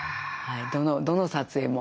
どの撮影も。